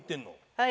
はい。